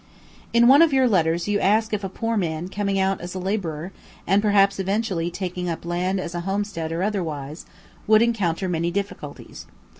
In one of your letters you ask if a poor man coming out as labourer, and perhaps eventually taking up land as a homestead or otherwise, would encounter many difficulties.